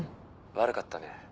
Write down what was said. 悪かったね。